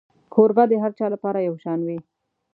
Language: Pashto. کوربه د هر چا لپاره یو شان وي.